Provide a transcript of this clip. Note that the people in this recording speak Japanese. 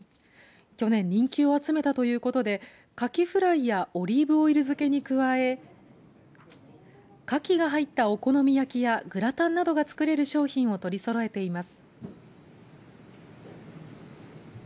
去年人気を集めたということでカキフライやオリーブオイル漬けに加えかきが入ったお好み焼きやグラタンなどが作れる商品を取りそろえています。